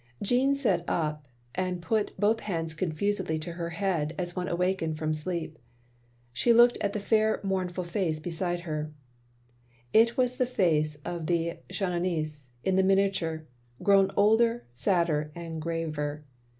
Jeanne sat up, and put both hands confusedly to her head as one awaked from sleep. She looked at the fair motimf ul face beside her. It was the face of the Chanoinesse in the minia ture, grown older, sadder, and graver.